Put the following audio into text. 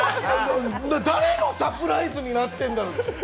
誰のサプライズになってるんだろう。